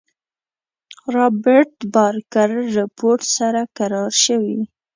رابرټ بارکر رپوټ سره کراري شوې.